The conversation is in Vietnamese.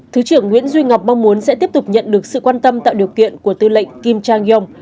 thứ trưởng nguyễn duy ngọc mong muốn sẽ tiếp tục nhận được sự quan tâm tạo điều kiện của tư lệnh kim trang yong